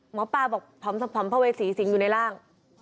หมอปลาบอกพร้อมพระเวสีสิงห์อยู่ในร่าง